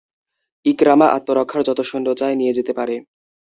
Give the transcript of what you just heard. ইকরামা আত্মরক্ষার যত সৈন্য চায় নিয়ে যেতে পারে।